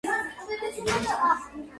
იაფი ყველაზე ძვირად დაგიჯდებაო.